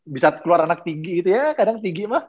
bisa keluar anak tinggi gitu ya kadang tinggi mah